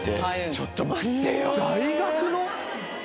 ちょっと待ってよ